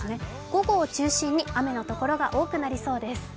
午後を中心に雨のところが多くなりそうです。